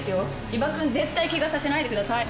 伊庭くん絶対怪我させないでください。